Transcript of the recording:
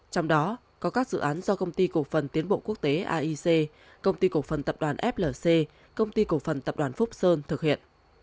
trong đó có các dự án do công ty cổ phần tiến bộ quốc tế aic công ty cổ phần tập đoàn flc công ty cổ phần tập đoàn phúc sơn thực hiện